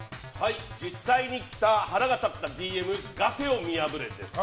実際に来た腹が立ったＤＭガセを見破れ！です。